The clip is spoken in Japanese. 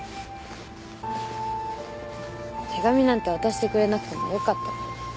手紙なんて渡してくれなくてもよかったのに。